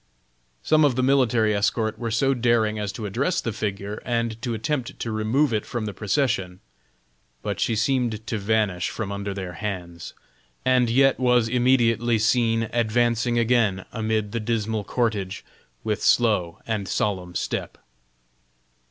Some of the military escort were so daring as to address the figure, and to attempt to remove it from the procession; but she seemed to vanish from under their hands, and yet was immediately seen advancing again amid the dismal cortege with slow and solemn step.